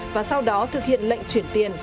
và sau đó thực hiện lệnh chuyển tiền